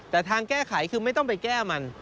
แต่ทางแก้ไขคือไม่ต้องไปแก้มัน